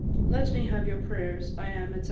Let me have your prayers. I am, &c.